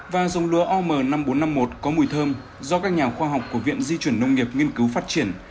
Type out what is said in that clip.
và dống lúa om năm nghìn bốn trăm năm mươi một có mùi thơm do các nhà khoa học của viện di chuyển nông nghiệp nghiên cứu phát triển